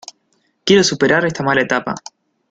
Quiero superar esta mala etapa.